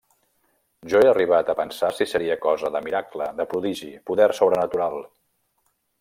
-Jo he arribat a pensar si seria cosa de miracle, de prodigi, poder sobrenatural…